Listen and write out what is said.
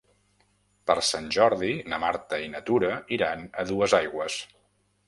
Per Sant Jordi na Marta i na Tura iran a Duesaigües.